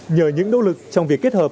nhờ những nỗ lực trong việc kết hợp